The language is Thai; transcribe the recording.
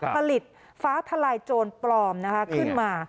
ผลิตฟ้าทลายโจรปลอมขึ้นมา